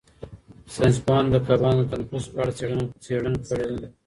ساینس پوهانو د کبانو د تنفس په اړه څېړنه کړې ده.